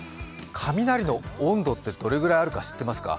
雷の温度ってどれぐらいあるか知ってますか？